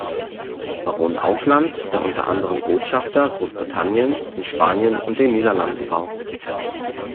Baron Auckland, der unter anderem Botschafter Großbritanniens in Spanien und den Niederlanden war.